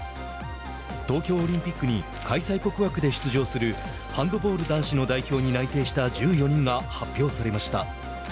東京オリンピックに開催国枠で出場するバンドボール男子の代表に内定した１４人が発表されました。